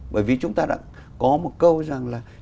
bởi vì chúng ta đã có một câu rằng là